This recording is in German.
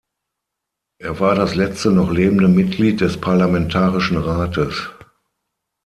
Er war das letzte noch lebende Mitglied des Parlamentarischen Rates.